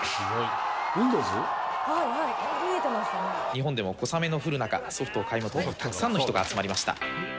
日本でも小雨の降る中、ソフトを買い求め、たくさんの人が集まりました。